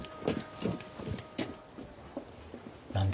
何だ？